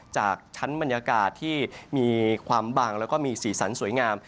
จากชั้นบรรยากาศที่มีความบังแล้วก็มีสีสันสวยงาม